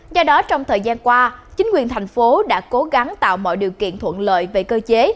do đó trong thời gian qua chính quyền thành phố đã cố gắng tạo mọi điều kiện thuận lợi về cơ chế